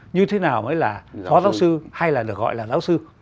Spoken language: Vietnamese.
như thế nào mới là phó giáo sư hay là được gọi là giáo sư